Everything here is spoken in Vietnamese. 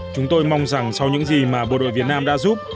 chúng tôi mong rằng sau những gì mà bộ đội việt nam đã giúp